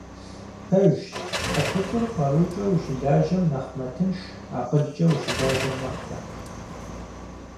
Пэжщ, щхьэ куцӀыр къарукӀэ ущылажьэм нэхъ мэтынш, акъылкӀэ ущылажьэм нэхърэ.